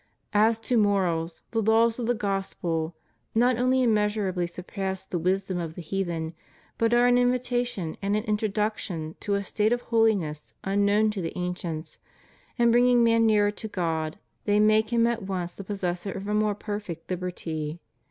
As to morals, the laws of the Gospel not only immeasurably surpass the wisdom of the heathen, but are an invitation and an introduction to a state of holiness unknown to the ancients; and, bringing man nearer to God, they make him at once the possessor of a more perfect liberty.